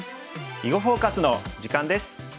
「囲碁フォーカス」の時間です。